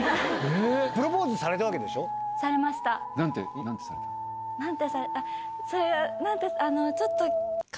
プロポーズされたわけでしょされました。